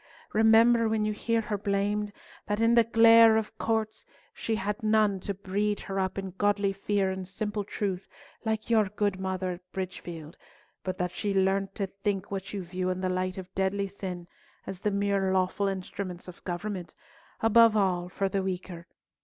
Remember, when you hear her blamed, that in the glare of courts, she had none to breed her up in godly fear and simple truth like your good mother at Bridgefield, but that she learnt to think what you view in the light of deadly sin as the mere lawful instruments of government, above all for the weaker.